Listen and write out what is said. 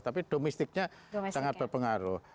tapi domestiknya sangat berpengaruh